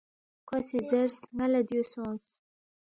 کھو سی زیرس، ن٘ا لہ دیُو سونگس